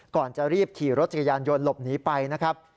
ก่อนจะรีบขี่รถจักรยานยนต์หลบหนีไปนะครับ